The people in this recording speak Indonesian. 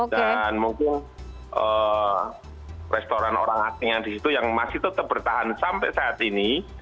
dan mungkin restoran orang asing yang masih tetap bertahan sampai saat ini